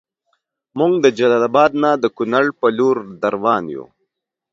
مونږ د جلال اباد نه د کونړ پر لور دروان یو